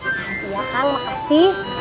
iya kang makasih